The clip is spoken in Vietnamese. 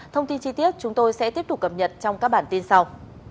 thông tin chi tiết chúng tôi sẽ tiếp tục cập nhật trong các bản tin sau